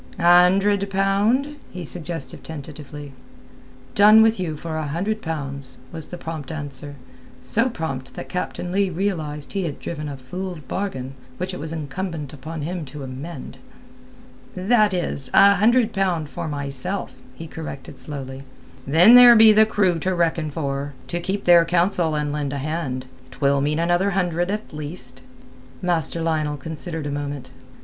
"A hundred pound?" he suggested tentatively. "Done with you for a hundred pounds," was the prompt answer—so prompt that Captain Leigh realized he had driven a fool's bargain which it was incumbent upon him to amend. "That is, a hundred pound for myself," he corrected slowly. "Then there be the crew to reckon for—to keep their counsel and lend a hand; 'twill mean another hundred at the least." Master Lionel considered a moment.